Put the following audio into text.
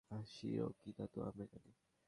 শিরক কি তাতো আমরা জানি।